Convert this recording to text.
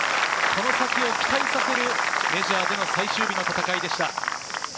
その先を期待させるメジャーでの最終日の戦いでした。